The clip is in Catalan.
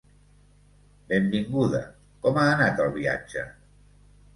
Benvinguda. Com ha anat el viatge?